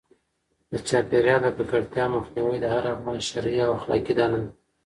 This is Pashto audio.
د چاپیریال د ککړتیا مخنیوی د هر افغان شرعي او اخلاقي دنده ده.